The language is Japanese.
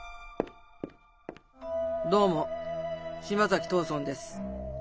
どうも島崎藤村です。